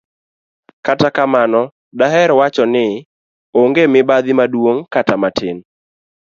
kata kamano, daher mondo awach kae ni onge mibadhi maduong' kata matin